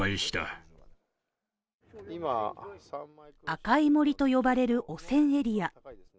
赤い森と呼ばれる汚染エリア。